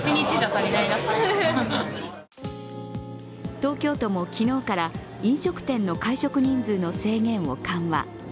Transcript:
東京都も昨日から飲食店の会食人数の制限を緩和。